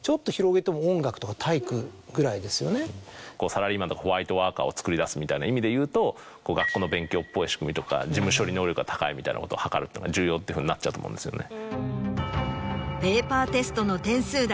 サラリーマンとかホワイトワーカーをつくり出すみたいな意味でいうと学校の勉強っぽい仕組みとか事務処理能力が高いみたいなこと測るってのが重要ってふうになっちゃうと思うんですよね。